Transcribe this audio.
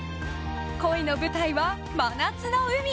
恋の舞台は真夏の海。